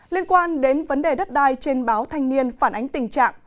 liên quan đến vấn đề đất đai trên báo thanh niên phản ánh tình trạng